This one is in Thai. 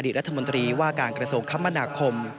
รัฐมนตรีว่าการกระทรวงคมนาคม